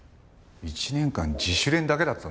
１年間自主練だけだったんだろ？